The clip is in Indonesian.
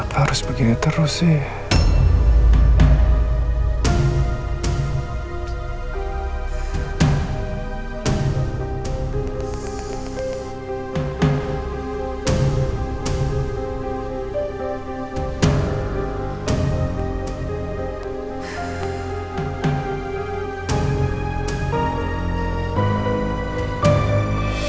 kenapa harus begini terus sih